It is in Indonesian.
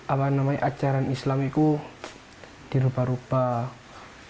apa namanya ajaran islam itu dirubah rubah